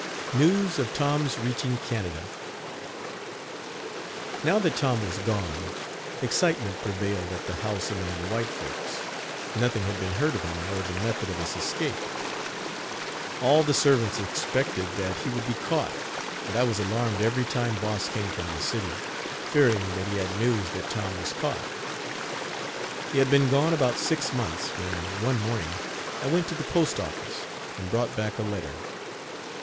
NEWS OF TOM'S REACHING CANADA. Now that Tom was gone, excitement prevailed at the house among the white folks nothing had been heard of him or the method of his escape. All the servants expected that he would be caught, and I was alarmed every time Boss came from the city, fearing that he had news that Tom was caught. He had been gone about six months, when, one morning, I went to the postoffice and brought back a letter.